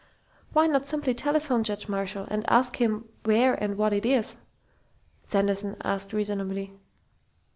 "Why not simply telephone Judge Marshall and ask him where and what it is?" Sanderson asked reasonably.